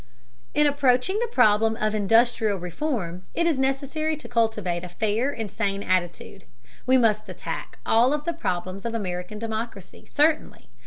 In approaching the problem of industrial reform it is necessary to cultivate a fair and sane attitude. We must attack all of the problems of American democracy, certainly.